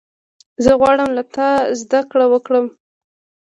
زه غواړم له تا زدهکړه وکړم.